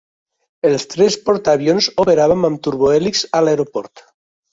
Els tres portaavions operaven amb turbohèlix a l'aeroport.